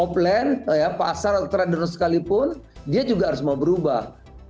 offline ya pasar tradisional sekalipun dia juga harus mau berubah